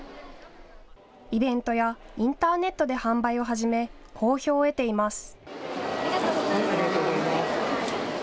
イベントやインターネットで販売を始め、好評を得ています。